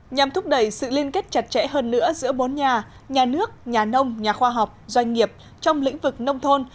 nhằm thúc đẩy sự liên kết chặt chẽ hơn nữa giữa bốn nhà nhà nước nhà nông nhà khoa học doanh nghiệp trong lĩnh vực nông thôn